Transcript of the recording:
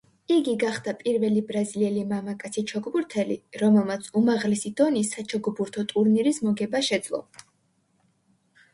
იგი გახდა პირველი ბრაზილიელი მამაკაცი ჩოგბურთელი, რომელმაც უმაღლესი დონის საჩოგბურთო ტურნირის მოგება შეძლო.